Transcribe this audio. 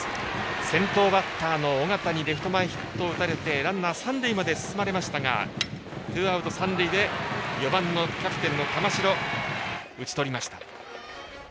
先頭バッターの緒方にレフト前ヒットを打たれてランナー三塁まで進まれましたがツーアウト三塁で４番、キャプテンの玉城を打ち取りました。